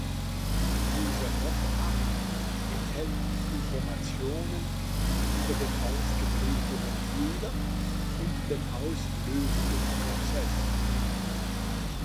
Dieser Pop-up enthält Informationen über den aufgetretenen Fehler und den auslösenden Prozess.